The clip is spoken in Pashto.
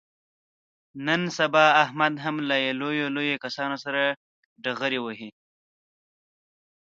نن سبا احمد هم له لویو لویو کسانو سره ډغرې وهي.